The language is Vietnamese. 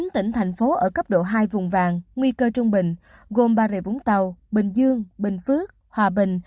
một mươi chín tỉnh thành phố ở cấp độ hai vùng vàng nguy cơ trung bình gồm ba rệ vũng tàu bình dương bình phước hòa bình